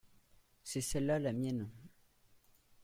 c'est celle-là la mienne.